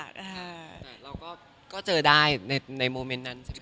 แต่เราก็เจอได้ในโมเมนต์นั้นใช่ไหม